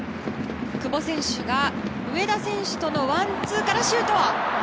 久保選手が上田選手とのワンツーからシュート。